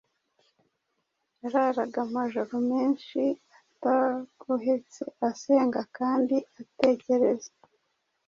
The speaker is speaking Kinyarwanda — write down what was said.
yararaga amajoro menshi atagohetse, asenga kandi atekereza.